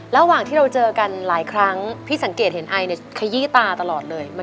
ระหว่างที่เราเจอกันหลายครั้งพี่สังเกตเห็นไอเนี่ยขยี้ตาตลอดเลย